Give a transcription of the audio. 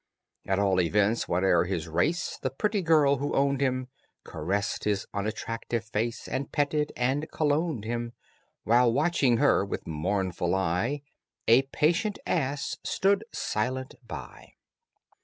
At all events, whate'er his race, The pretty girl who owned him Caressed his unattractive face And petted and cologned him, While, watching her with mournful eye, A patient ass stood silent by.